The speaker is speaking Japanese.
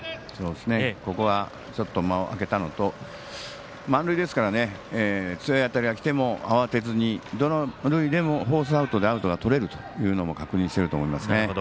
ここは、ちょっと間をあけたのと満塁ですから強い当たりがきても慌てずにどの塁でもフォースアウトが取れるということを確認していると思いますね。